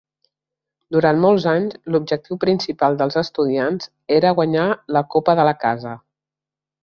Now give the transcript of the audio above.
Durant molts anys, l'objectiu principal dels estudiants era guanyar la copa de la casa.